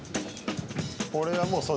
これは、もう、そう。